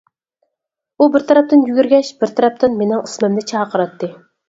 ئۇ بىر تەرەپتىن يۈگۈرگەچ بىر تەرەپتىن مېنىڭ ئىسمىمنى چاقىراتتى.